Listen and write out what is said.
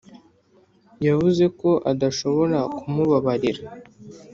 yavuze ko adashobora kumubabarira